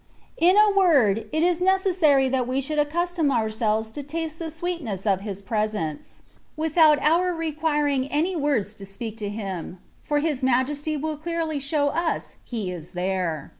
In a word, it is necessary that we should accustom ourselves to taste the sweetness THE WAY OF PERFECTION. 143 of His presence, without our requiring any words to speak to Him, for His Majesty will clearly show us He is there.